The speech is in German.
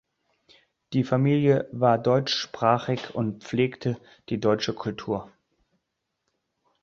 Die Familie war deutschsprachig und pflegte die deutsche Kultur.